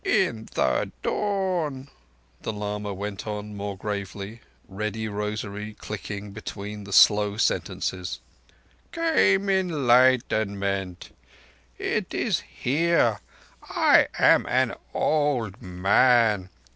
"In the dawn," the lama went on more gravely, ready rosary clicking between the slow sentences, "came enlightenment. It is here ... I am an old man